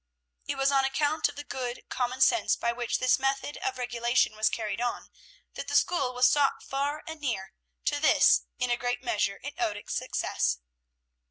It was on account of the good common sense by which this method of regulation was carried on, that the school was sought far and near; to this, in a great measure, it owed its success.